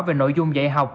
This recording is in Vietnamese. về nội dung dạy học